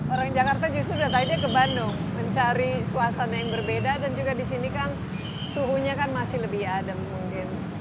orang jakarta justru sudah tadinya ke bandung mencari suasana yang berbeda dan juga di sini kan suhunya kan masih lebih adem mungkin